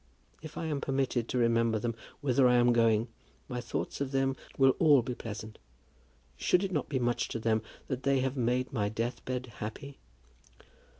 If I am permitted to remember them whither I am going, my thoughts of them will all be pleasant. Should it not be much to them that they have made my death bed happy?"